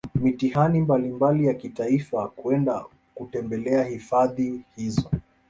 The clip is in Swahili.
mitihani mbalimbali ya kitaifa kwenda kutembelea Hifadhi hizo